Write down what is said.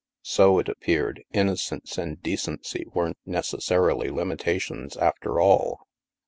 So, it appeared, innocence and decency weren't necessarily limitations, after all